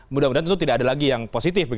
mudah mudahan tentu tidak ada lagi yang positif